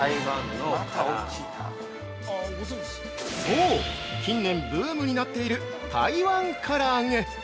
◆そう、近年ブームになっている「台湾唐揚げ」！